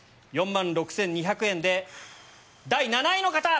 ４万６２００円で第７位の方！